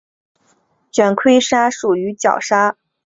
卷盔鲨属是角鲨科下的一属鲨鱼。